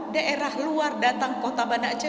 daerah luar datang kota banda aceh